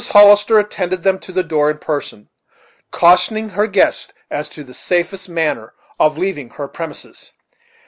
Hollister attended them to the door in person, cautioning her guests as to the safest manner of leaving her premises.